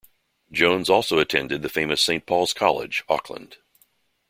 Jones also attended the famous Saint Paul's College, Auckland.